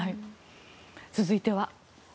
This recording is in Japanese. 続いては。